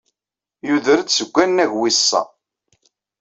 Yuder-d seg wannag wis sa.